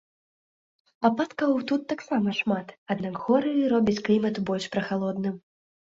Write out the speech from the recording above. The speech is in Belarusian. Ападкаў тут таксама шмат, аднак горы робяць клімат больш прахалодным.